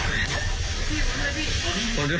สวัสดีค่ะที่จอมฝันครับ